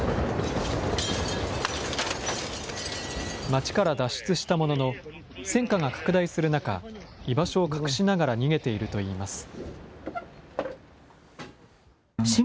街から脱出したものの戦火が拡大する中、居場所を隠しながら逃げているといいます。